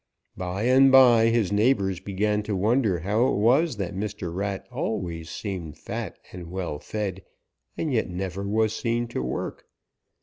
"By and by his neighbors began to wonder how it was that Mr. Rat always seemed fat and well fed and yet never was seen to work.